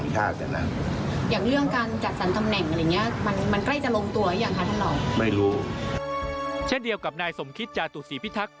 เช่นเดียวกับนายสมคิตจาตุศีพิทักษ